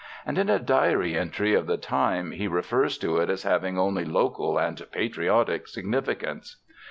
And in a diary entry of the time he refers to it as having "only local and patriotic significance."